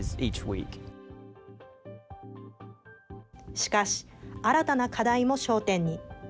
しかし、新たな課題も焦点に。